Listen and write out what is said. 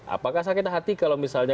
apakah sakit hati kalau misalnya